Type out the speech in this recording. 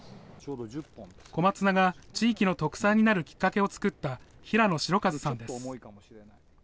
小松菜が地域の特産になるきっかけを作った、平野代一さんです。